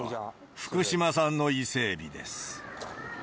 福島産のイセエビです。